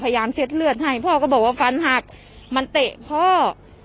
เช็ดเลือดให้พ่อก็บอกว่าฟันหักมันเตะพ่อ